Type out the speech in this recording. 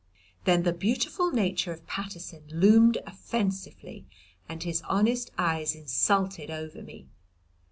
Then the beautiful nature of Paterson loomed offensively, and his honest eyes insulted over me.